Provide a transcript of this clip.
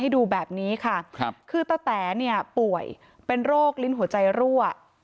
ดูแบบนี้ค่ะครับคือตะแต๋เนี่ยป่วยเป็นโรคลิ้นหัวใจรั่ว